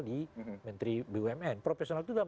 di menteri bumn profesional itu